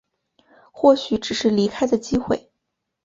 或许只是离开的机会